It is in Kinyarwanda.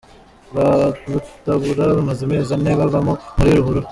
Rwabutabura Bamaze amezi ane bavoma muri ruhurura